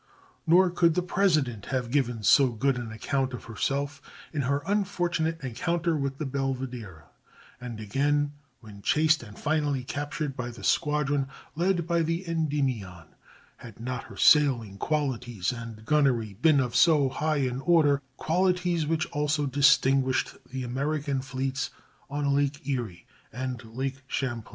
Nor could the President have given so good an account of herself in her unfortunate encounter with the Belvidera, and again when chased and finally captured by the squadron led by the Endymion, had not her sailing qualities and gunnery been of so high an order—qualities which also distinguished the American fleets on Lake Erie and Lake Champlain.